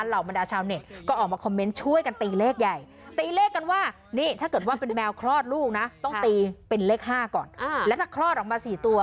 เล็กห้าก่อนอ่าแล้วถ้าคลอดออกมาสี่ตัว